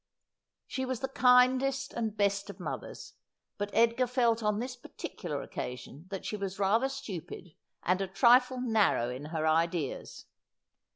She was the kindest and best of mothers, but Edgar felt on this particular occasion that she was rather stupid, and a trifle narrow in her ideas.